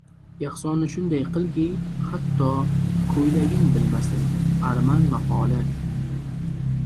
Ehsonni shunday qilki, hatto ko‘ylaging bilmasin. Arman maqoli